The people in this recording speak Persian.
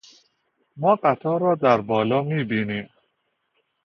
ما قطار را در بالا می بینیم.